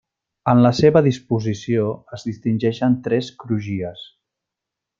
En la seva disposició es distingeixen tres crugies.